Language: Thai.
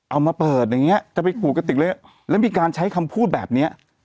เอามาเปิดอย่างเงี้ยจะไปขู่กระติกเลยแล้วมีการใช้คำพูดแบบเนี้ย